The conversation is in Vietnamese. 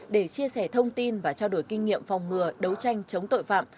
để chia sẻ thông tin và trao đổi kinh nghiệm phòng ngừa đấu tranh chống tội phạm